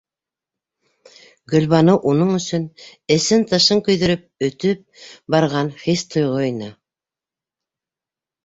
Гөлбаныу уның өсөн эсен-тышын көйҙөрөп-өтөп барған хис- тойғо ине.